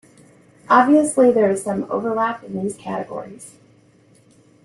Obviously there is some overlap in these categories.